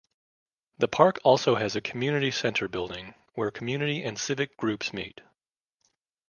The park also has a community center building where community and civic groups meet.